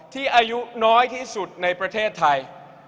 อายุน้อยที่สุดในประเทศไทย